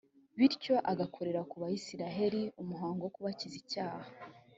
bityo agakorera ku bayisraheli umuhango wo kubakiza icyaha.